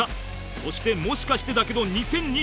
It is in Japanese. そして『もしかしてだけど２０２１』